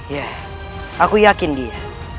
ya aku yakin dia